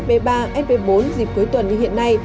sb ba sb bốn dịp cuối tuần như hiện nay